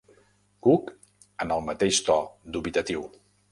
Cook en el mateix to dubitatiu.